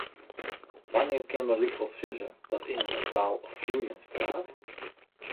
Wannear kinne we lykwols sizze dat immen in taal ‘floeiend’ praat?